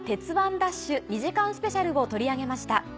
ＤＡＳＨ‼』２時間スペシャルを取り上げました。